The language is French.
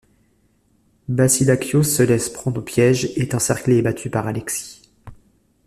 Basilakios se laisse prendre au piège et est encerclé et battu par Alexis.